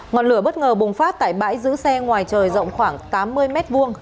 ngọn lửa bất ngờ bùng phát tại bãi giữ xe ngoài trời rộng khoảng tám mươi m hai